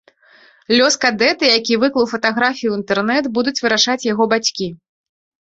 Лёс кадэта, які выклаў фатаграфію ў інтэрнэт, будуць вырашаць яго бацькі.